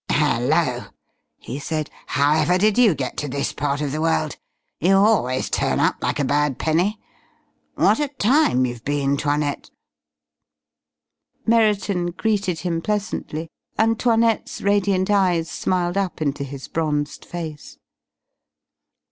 "Hello," he said. "However did you get to this part of the world? You always turn up like a bad penny.... What a time you've been 'Toinette!" Merriton greeted him pleasantly, and 'Toinette's radiant eyes smiled up into his bronzed face.